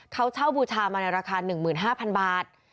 เขาเช่าบูชามาในราคา๑๕๐๐๐บาท